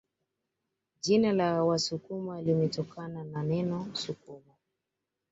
Jina la Wasukuma limetokana na neno sukuma